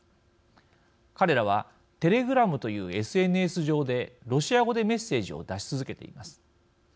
彼らはテレグラムというＳＮＳ上でロシア語でメッセージを出し続けています。